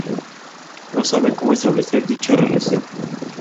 No sabe como establecer dicha relación